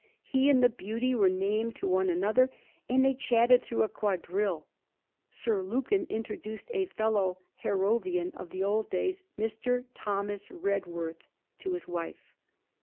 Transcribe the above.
He and the Beauty were named to one another, and they chatted through a quadrille. Sir Lukin introduced a fellow Harrovian of old days, Mr. Thomas Redworth, to his wife.